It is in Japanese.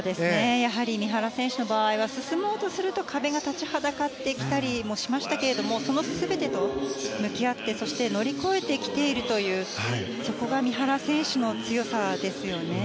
三原選手の場合は進もうとすると壁が立ちはだかってきたりもしましたけれどもその全てと向き合ってそして乗り越えてきているというそこが三原選手の強さですね。